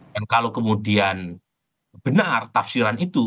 dan kalau kemudian benar tafsiran itu